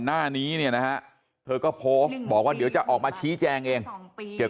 หน้านี้เนี่ยนะฮะเธอก็โพสต์บอกว่าเดี๋ยวจะออกมาชี้แจงเองเกี่ยว